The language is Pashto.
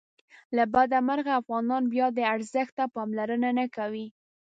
له بده مرغه افغانان بیا دې ارزښت ته پاملرنه نه کوي.